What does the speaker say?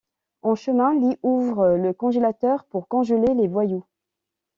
En chemin, Lee ouvre le congélateur pour congeler les voyous.